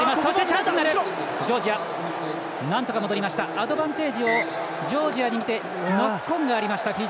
アドバンテージをジョージアにみてフィジーにノックオンがありました。